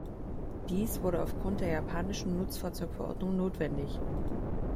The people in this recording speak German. Dies wurde aufgrund der japanischen Nutzfahrzeug-Verordnung notwendig.